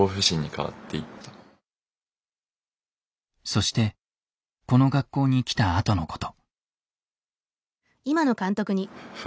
そしてこの学校に来たあとのこと。